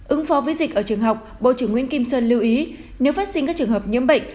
ứng phó với dịch ở trường học bộ trưởng nguyễn kim sơn lưu ý nếu phát sinh các trường hợp nhiễm bệnh